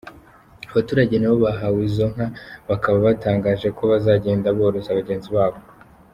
Abaturage nabo bahawe izo nka bakaba batangaje ko bazagenda boroza bagenzi babo.